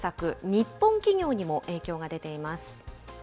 日本企業にも影響が出ています。